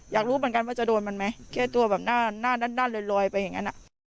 อยากรู้เหมือนกันว่าจะโดนมันไหมแก้ตัวแบบหน้าด้านลอยไปอย่างนั้น